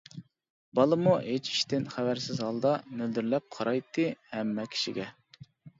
بالىمۇ ھېچ ئىشتىن خەۋەرسىز ھالدا، مۆلدۈرلەپ قارايتتى ھەممە كىشىگە.